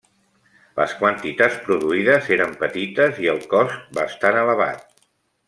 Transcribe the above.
Les quantitats produïdes eren petites i el cost bastant elevat.